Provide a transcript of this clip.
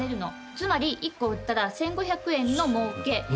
つまり１個売ったら１，５００円のもうけ。